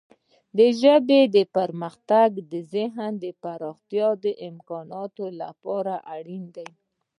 د ژبې پرمختګ د هغې د پراختیا د امکاناتو لپاره اړین دی.